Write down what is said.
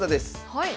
はい。